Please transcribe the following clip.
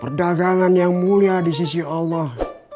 perdagangan yang mulia di sisi allah